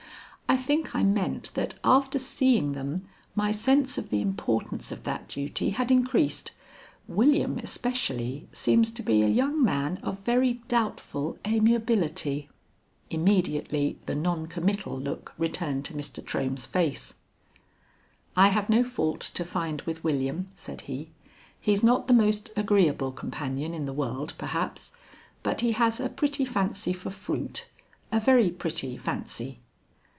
"I think I meant that after seeing them my sense of the importance of that duty had increased. William especially seems to be a young man of very doubtful amiability." Immediately the non commital look returned to Mr. Trohm's face. "I have no fault to find with William," said he. "He's not the most agreeable companion in the world perhaps, but he has a pretty fancy for fruit a very pretty fancy."